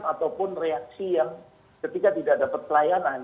ataupun reaksi yang ketika tidak dapat pelayanan